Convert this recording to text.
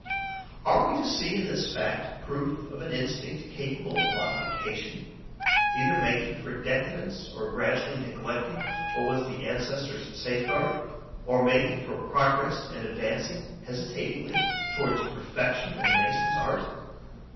Are we to see in this fact proof of an instinct capable of modification, either making for decadence and gradually neglecting what was the ancestors' safeguard, or making for progress and advancing, hesitatingly, towards perfection in the mason's art?